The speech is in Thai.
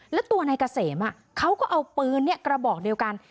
แล้วตัวนายกะเสมอ่ะเขาก็เอาปืนเนี้ยกระบอกเดียวกัน